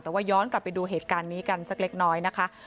แต่ว่าย้อนกลับไปดูเหตุการณ์นี้กันสักเล็กน้อยนะคะ